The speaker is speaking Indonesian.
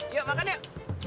yuk makan yuk